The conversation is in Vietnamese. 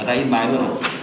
ở đây yên bái luôn hả